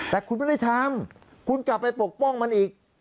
แต่คุณไม่ได้ทำคุณกลับไปปกป้องมันอีก